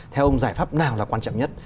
theo ông giải pháp nào là quan trọng nhất